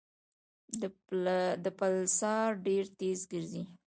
د پلسار ډېر تېز ګرځي.